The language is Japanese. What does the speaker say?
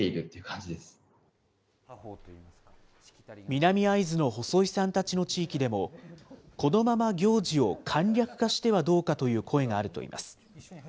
南会津の細井さんたちの地域でも、このまま行事を簡略化してはどうかという声があるといいます。